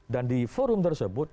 dan di forum tersebut